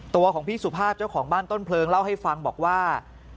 ตัวของพี่สุภาพเจ้าของบ้านต้นเพลิงเล่าให้ฟังบอกว่า